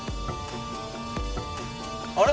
あれ？